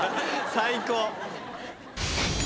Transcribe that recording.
最高。